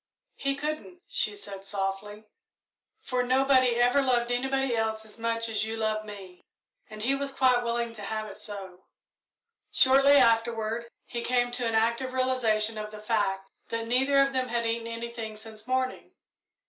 "He couldn't," she said softly, "for nobody ever loved anybody else as much as you love me"; and he was quite willing to have it so. Shortly afterward he came to an active realisation of the fact that neither of them had eaten anything since morning.